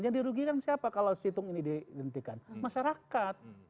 yang dirugikan siapa kalau situng ini dihentikan masyarakat